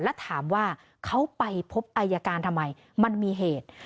แล้วถามว่าเขาไปพบอายการทำไมมันมีเหตุ